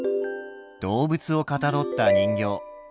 動物をかたどった人形。